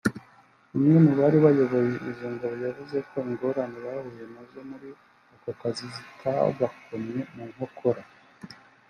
umwe mu bari bayoboye izo ngabo yavuze ko ingorane bahuye na zo muri ako kazi zitabakomye mu nkokora